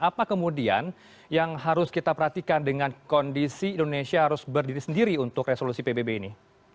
apa kemudian yang harus kita perhatikan dengan kondisi indonesia harus berdiri sendiri untuk resolusi pbb ini